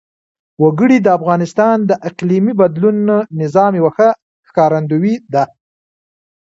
وګړي د افغانستان د اقلیمي نظام یوه ښه ښکارندوی ده.